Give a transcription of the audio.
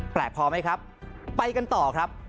พอไหมครับไปกันต่อครับ